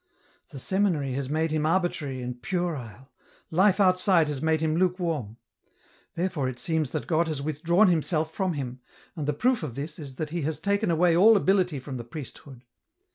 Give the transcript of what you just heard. " The seminary has made him arbitrary and puerile, life outside has made him lukewarm. Therefore it seems that God has withdrawn Himself from him, and the proof of this is that He has taken away all ability from the priesthood.